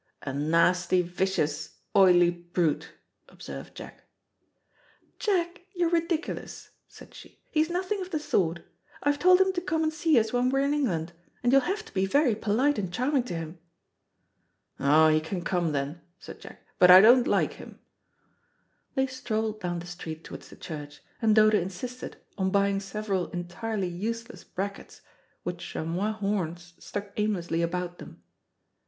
"A nasty, vicious, oily brute," observed Jack. "Jack, you're ridiculous," said she; "he's nothing of the sort. I've told him to come and see us when we're in England, and you'll have to be very polite and charming to him." "Oh, he can come then," said Jack, "but I don't like him." They strolled down the street towards the church, and Dodo insisted on buying several entirely useless brackets, with chamois horns stuck aimlessly about them.